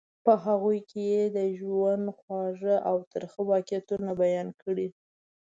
په هغوی کې یې د ژوند خوږ او ترخه واقعیتونه بیان کړي.